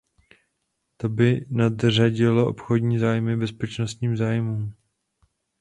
To by nadřadilo obchodní zájmy bezpečnostním zájmům.